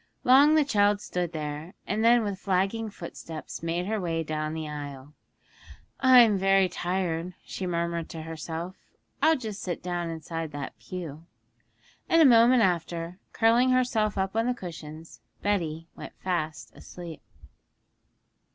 Long the child stood there, and then with flagging footsteps made her way down the aisle. 'I'm very tired,' she murmured to herself; 'I'll just sit down inside that pew.' And a moment after, curling herself up on the cushions, Betty went fast asleep.